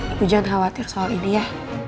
aku jangan khawatir soal ini ya